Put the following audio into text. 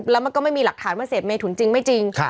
แล้วมันก็ไม่มีหลักฐานว่าเสพเมทุนจริงไม่จริง